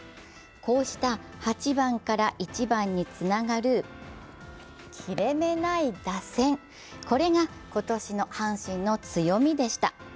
こうした８番から１番につながる切れ目ない打線これが今年の阪神の強みでした。